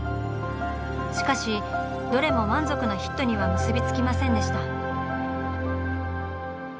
しかしどれも満足なヒットには結び付きませんでした。